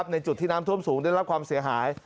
ในจุดที่น้ำท่วมสูงได้รับความเสียหาย